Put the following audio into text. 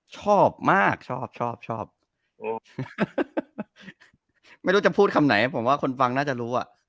ชอบมากชอบชอบชอบไม่รู้จะพูดคำไหนผมว่าคนฟังน่าจะรู้อ่ะ